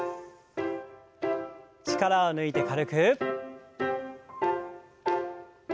力を抜いて軽く。